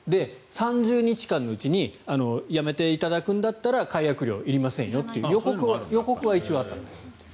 ３０日間のうちにやめていただくんだったら解約料、いりませんよという予告は一応あったんです。